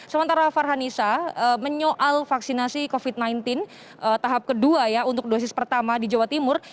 sementara farhanisa menyoal vaksinasi covid sembilan belas tahap kedua ya untuk dosis pertama di jawa timur